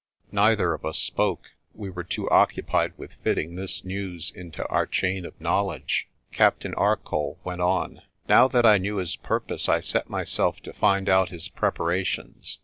Neither of us spoke; we were too occupied with fitting this news into our chain of knowledge. Captain Arcoll went on. "Now that I knew his pur pose, I set myself to find out his preparations.